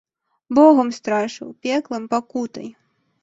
Богам страшыў, пеклам, пакутай.